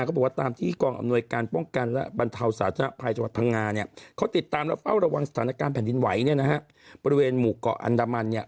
เกาะเนียงแหละพี่ประสิทธิภาพตัวสอบยืนยันได้